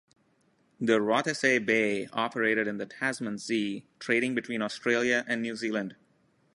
The "Rothesay Bay" operated in the Tasman Sea, trading between Australia and New Zealand.